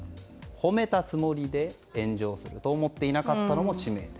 褒めたつもりで炎上すると思っていなかったのも致命的。